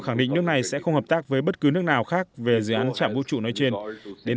khẳng định nước này sẽ không hợp tác với bất cứ nước nào khác về dự án chạm vũ trụ nói trên đến